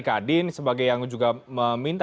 kadin sebagai yang juga meminta